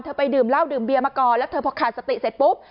ไปดื่มเหล้าดื่มเบียมาก่อนแล้วเธอพอขาดสติเสร็จปุ๊บ